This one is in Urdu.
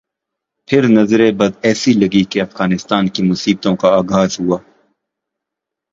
پھر نظر بد ایسی لگی کہ افغانستان کی مصیبتوں کا آغاز ہوا۔